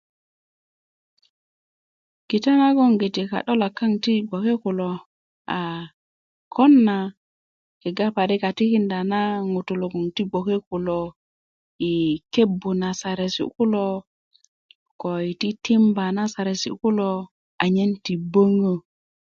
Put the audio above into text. kita nagoŋgiti kado'lak kaŋ ti gboke kulo a kon na kega parik a tikindá na ŋutúu loŋ ti gboke kulo i kebbu na saresi' kulo ko i titimba na saresi' kulo anyen ti böŋö